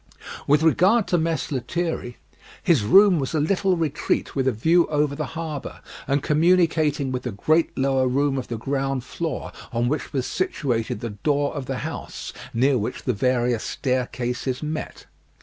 With regard to Mess Lethierry, his room was a little retreat with a view over the harbour, and communicating with the great lower room of the ground floor, on which was situated the door of the house, near which the various staircases met.